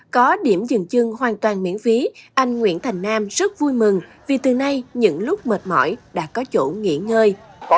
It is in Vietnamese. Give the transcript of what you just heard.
có điểm dừng chân hoàn toàn miễn phí anh nguyễn thành nam rất vui mừng vì từ nay những lúc mệt mỏi đã có chỗ nghỉ ngơi